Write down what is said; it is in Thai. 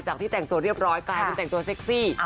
ที่แต่งตัวเรียบร้อยกลายเป็นแต่งตัวเซ็กซี่